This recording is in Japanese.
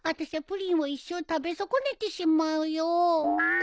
プリンを一生食べ損ねてしまうよ。